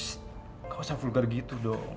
tidak usah vulgar gitu dong